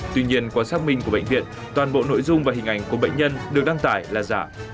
tuy nhiên quan sát mình của bệnh viện toàn bộ nội dung và hình ảnh của bệnh nhân được đăng tải là giả